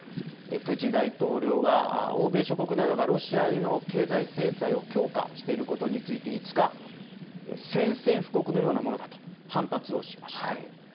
プーチン大統領は欧米諸国などがロシアへの経済制裁を強化していることについて、５日、宣戦布告のようなものだと反発をしました。